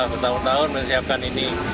bertahun tahun menyiapkan ini